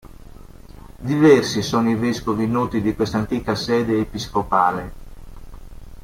Diversi sono i vescovi noti di questa antica sede episcopale.